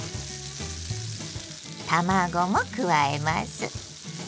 卵も加えます。